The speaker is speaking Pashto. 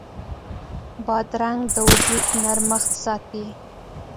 بادرنګ د وجود نرمښت ساتي.